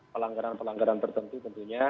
pelanggaran pelanggaran tertentu tentunya